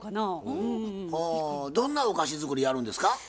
はあどんなお菓子作りやるんですか？